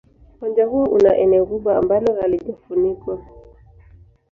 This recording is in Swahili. Uwanja huo una eneo kubwa ambalo halijafunikwa.